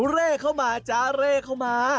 เร่เข้ามาจ๊ะเร่เข้ามา